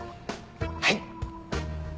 はい。